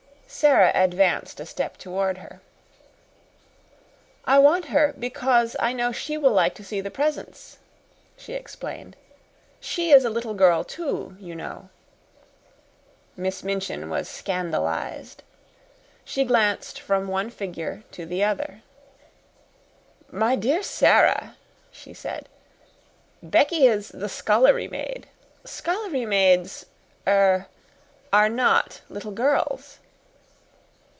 Sara advanced a step toward her. "I want her because I know she will like to see the presents," she explained. "She is a little girl, too, you know." Miss Minchin was scandalized. She glanced from one figure to the other. "My dear Sara," she said, "Becky is the scullery maid. Scullery maids er are not little girls."